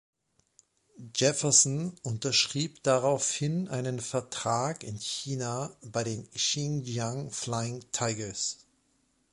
Jefferson unterschrieb daraufhin einen Vertrag in China, bei den Xinjiang Flying Tigers.